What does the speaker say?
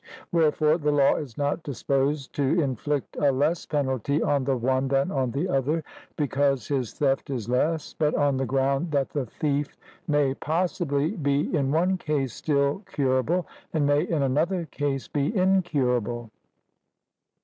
Wherefore the law is not disposed to inflict a less penalty on the one than on the other because his theft is less, but on the ground that the thief may possibly be in one case still curable, and may in another case be incurable.